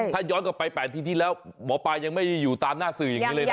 ถ้าย้อนกลับไป๘ทีที่แล้วหมอปลายังไม่อยู่ตามหน้าสื่ออย่างนี้เลยนะ